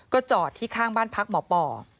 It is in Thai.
จอดที่ข้างบ้านพักหมอปอ